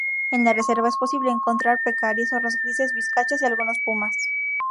En la reserva es posible encontrar pecaríes, zorros grises, vizcachas y algunos pumas.